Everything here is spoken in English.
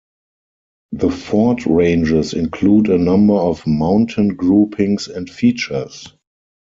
The Ford Ranges include a number of mountain groupings and features.